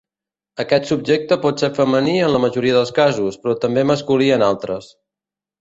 Aquest subjecte pot ser femení en la majoria dels casos, però també masculí en altres.